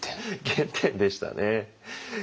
原点でしたね。